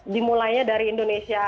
dimulainya dari indonesia